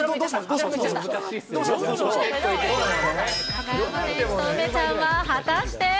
中山選手と梅ちゃんは、果たして？